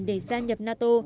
để gia nhập nato